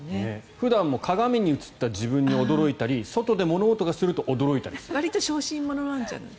普段も鏡に映った自分に驚いたり外で物音がすると驚いたりするそうです。